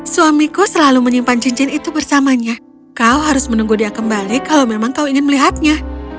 suamiku selalu menyimpan cincin itu bersamanya kau harus menunggu dia kembali kalau memang kau ingin melihatnya